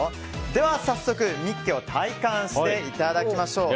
では、早速「ミッケ！」を体感していただきましょう。